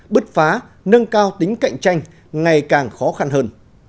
bứt phá nâng cao tính cạnh tranh ngày càng khó khăn hơn